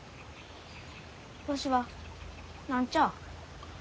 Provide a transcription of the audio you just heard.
わしは何ちゃあ。